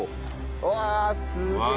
うわあすげえ！